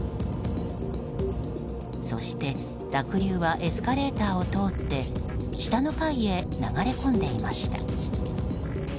そして濁流はエスカレーターを通って下の階へ流れ込んでいました。